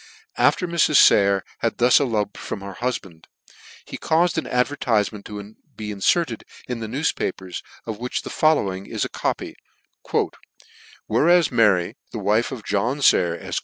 After Mrs. Sayer had thus eloped from her huf band, he caufed an advertifement to be infcrted in the news papers, of which the following is a copy :" Whereas Mary, the wife of John Sayer, Efq.